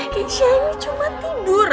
keisha ini cuman tidur